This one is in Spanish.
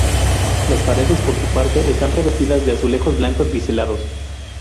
Las paredes, por su parte, están revestidas de azulejos blancos biselados.